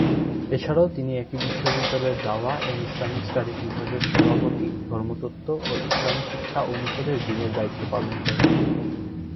এছাড়াও তিনি একই বিশ্ববিদ্যালয়ের দা’ওয়াহ এন্ড ইসলামিক স্টাডিজ বিভাগের সভাপতি ধর্মতত্ত্ব ও ইসলামি শিক্ষা অনুষদের ডিনের দায়িত্ব পালন করেন।